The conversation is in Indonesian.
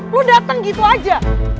lu dateng gitu aja